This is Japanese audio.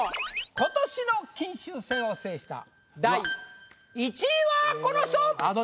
今年の金秋戦を制した第１位はこの人！